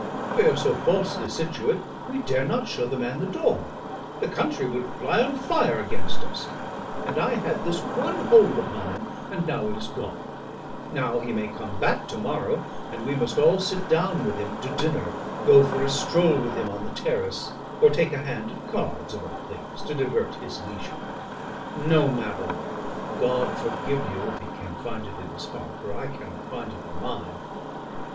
We are so falsely situate we dare not show the man the door; the country would fly on fire against us; and I had this one hold upon him and now it is gone now he may come back to morrow, and we must all sit down with him to dinner, go for a stroll with him on the terrace, or take a hand at cards, of all things, to divert his leisure! No, madam! God forgive you, if He can find it in His heart; for I cannot find it in mine."